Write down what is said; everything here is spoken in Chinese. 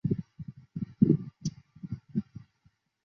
英国骑兵战胜蒙古骑兵。